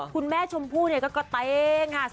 คุณแม่ชมพู่ก็กดตัวเอง